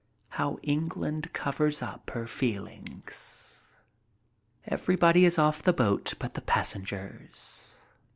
How England covers up her feelings ! Everybody is off the boat but the passengers.